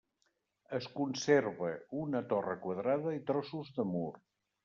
Es conserva una torre quadrada i trossos de mur.